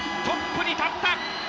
トップに立った。